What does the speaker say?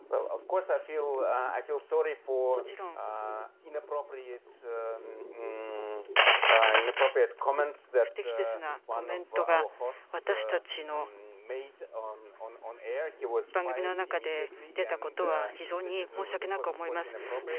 もちろん、不適切なコメントが、私たちの番組の中で出たことは非常に申し訳なく思います。